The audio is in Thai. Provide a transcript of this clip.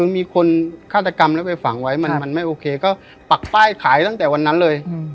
มีคนฆาตกรรมแล้วไปฝังไว้มันไม่โอเคก็ปักป้ายขายตั้งแต่วันนั้นเลย